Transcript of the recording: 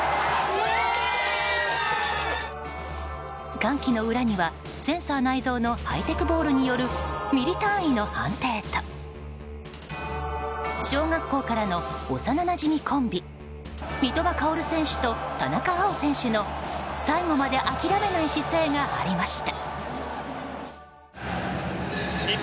歓喜の裏にはセンサー内蔵のハイテクボールによるミリ単位の判定と小学校からの幼なじみコンビ三笘薫選手と田中碧選手の最後まで諦めない姿勢がありました。